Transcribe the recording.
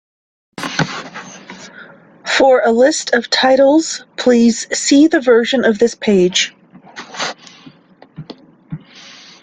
For a list of titles please see the version of this page.